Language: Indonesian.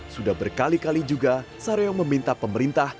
sudah berkali kali juga saryo meminta pemerintah